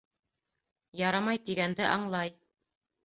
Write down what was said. «Ярамай» тигәнде аңлай.